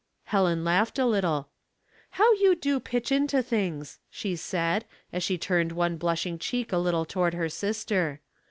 Helen laughed a little. " How you do pitch into things," she said, as she turned one blushing cheek a little to ward her sister.